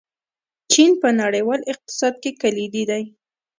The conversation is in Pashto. چین په نړیوال اقتصاد کې کلیدي دی.